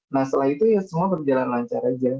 nah setelah itu ya semua berjalan lancar aja